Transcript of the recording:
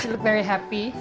dia terlihat sangat senang